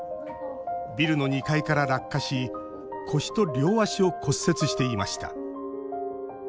ビルの２階から落下し腰と両足を骨折していました。